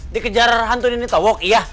dikejar hantu ini tau kok iya